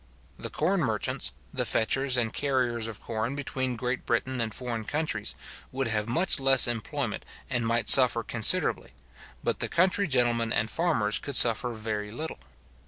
The corn merchants, the fetchers and carriers of corn between Great Britain and foreign countries, would have much less employment, and might suffer considerably; but the country gentlemen and farmers could suffer very little.